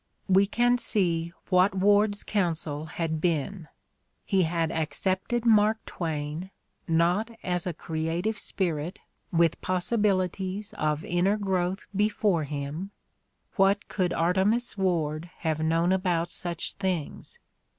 We can see what Ward 's counsel had been : he had accepted Mark Twain, not as a creative spirit with possibilities of inner growth before him — ^what could Artemus Ward have known about such things?